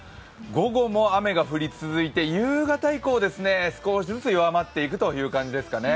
午後も雨が降り続いて、夕方以降、少しずつ弱まっていくという感じですかね。